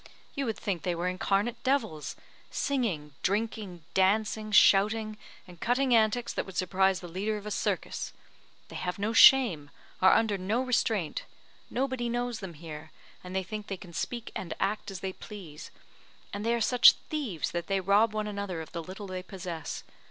You would think they were incarnate devils; singing, drinking, dancing, shouting, and cutting antics that would surprise the leader of a circus. They have no shame are under no restraint nobody knows them here, and they think they can speak and act as they please; and they are such thieves that they rob one another of the little they possess.